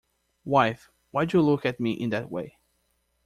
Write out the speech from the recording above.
Wife, why do you look at me in that way?